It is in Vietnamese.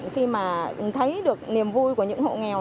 khi mà thấy được niềm vui của những hộ nghèo